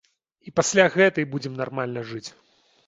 І пасля гэтай будзем нармальна жыць.